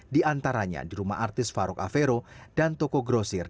di antaranya di rumah artis farok avero dan toko grosir